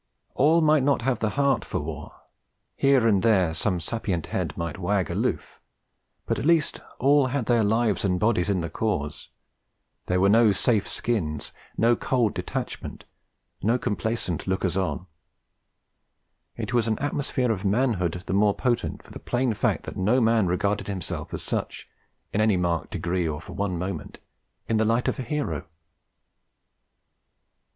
All might not have the heart for war; here and there some sapient head might wag aloof; but at least all had their lives and bodies in the cause, there were no safe skins, no cold detachment, no complacent lookers on. It was an atmosphere of manhood the more potent for the plain fact that no man regarded himself as such in any marked degree, or for one moment in the light of a hero.